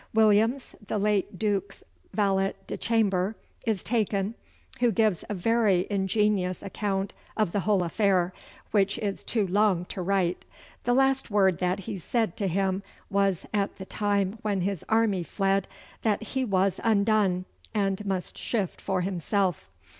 Williams, the late Duke's valet de chambre, is taken, who gives a very ingenious account of the whole affair, which is too long to write. The last word that he said to him was at the time when his army fled, that he was undone and must shift for himself.